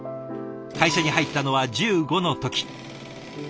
会社に入ったのは１５の時。